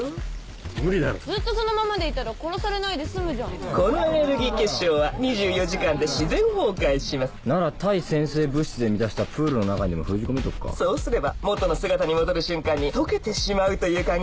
無理だろずっとそのままでいたら殺されないですむじゃんこのエネルギー結晶は２４時間で自然崩壊しますなら対先生物質で満たしたプールの中にでも封じ込めておくかそうすれば元の姿に戻る瞬間に溶けてしまうという考えですか？